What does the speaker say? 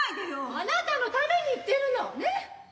あなたのために言ってるのねっ。